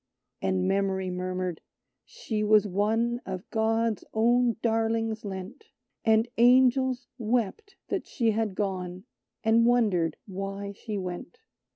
And Memory murmured: "She was one Of God's own darlings lent; And Angels wept that she had gone, And wondered why she went.